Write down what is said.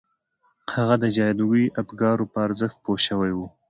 هغه د جادویي افکارو په ارزښت پوه شوی و